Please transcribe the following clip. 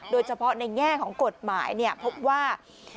โดยเฉพาะในแง่ของกฎหมายพบว่า